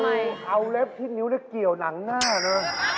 อยากจะเอาเล็บที่นิ้วได้เกี่ยวหนังหน้าหรือ